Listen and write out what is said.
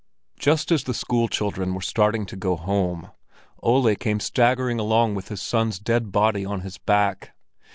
Just as the school children were starting to go home, Ole came staggering along with his son's dead body on his back.